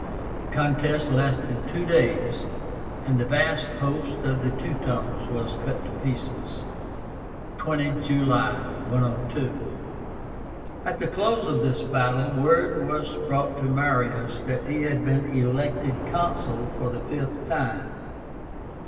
The contest lasted two days, and the vast host of the Teutones was cut to pieces (20 July, 102). At the close of this battle word was brought to Marius that he had been elected Consul for the fifth time.